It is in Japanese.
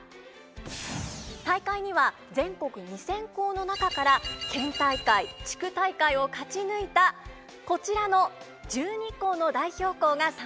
大会には全国２，０００校の中から県大会地区大会を勝ち抜いたこちらの１２校の代表校が参加しました。